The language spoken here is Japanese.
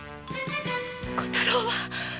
小太郎は？